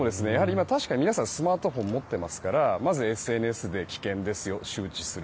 今皆さんスマートフォン持っていますからまず、ＳＮＳで危険ですよ、周知する。